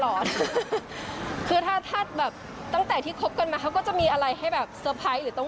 โอ่ววววาแล้วอยากให้นี่สายเอน